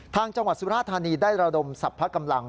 ทางจังหวัดสุราธารณีย์ได้ระดมศัพท์พระกำลัง